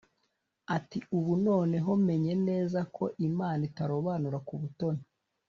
ati ubu noneho menye neza ko Imana itarobanura ku butoni